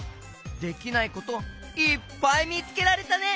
できないこといっぱいみつけられたね。